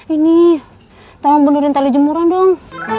ini tolong mundurin tali jemuran dong